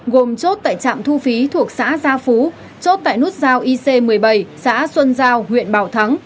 gồm chốt tại trạm thu phí thuộc xã gia phú chốt tại nút giao ic một mươi bảy xã xuân giao huyện bảo thắng